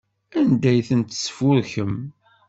Anda ay ten-tesfurkem?